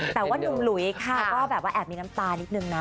แต่ว่านุ่มหลุยค่ะก็แบบว่าแอบมีน้ำตานิดนึงนะ